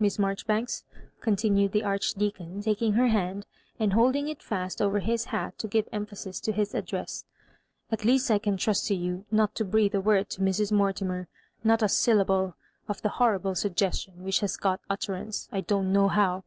Miss Maijoribanks," continued the Archdeacon, taking her hand, and holding it &st over his hat to give emphasis to his address, "at least I can trust to you not to breathe a word to Mrs. Mortimer — ^not a sylla ble — of the horrible suggestion which has got utterance, I don't know how.